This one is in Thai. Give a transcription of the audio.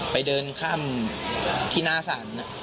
เดินข้ามที่หน้าศาล